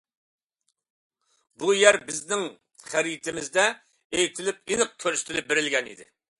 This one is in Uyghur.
بۇ يەر بىزنىڭ خەرىتىمىزدە ئېيتىلىپ، ئېنىق كۆرسىتىلىپ بېرىلگەن ئىدى.